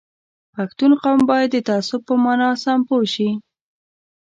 پښتون قوم باید د تعصب په مانا سم پوه شي